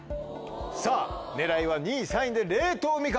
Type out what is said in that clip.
さぁ狙いは２位３位で冷凍みかん。